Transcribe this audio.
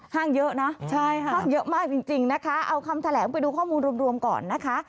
ห้างเยอะนะใช่ห้างเยอะมากจริงนะคะเอาคำแถลงไปดูข้อมูลรวมก่อนนะคะ